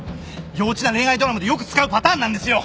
幼稚な恋愛ドラマでよく使うパターンなんですよ！